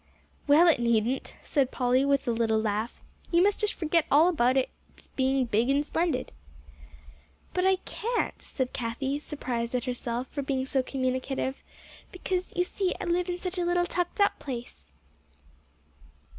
"Well, it needn't," said Polly, with a little laugh. "You must just forget all about its being big and splendid." "But I can't," said Cathie, surprised at herself for being so communicative, "because, you see, I live in such a little, tucked up place."